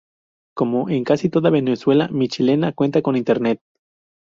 Como en casi toda Venezuela, Michelena cuenta con Internet.